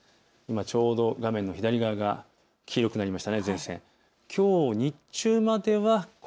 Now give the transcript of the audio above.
ちょうど画面の左側が黄色くなりました。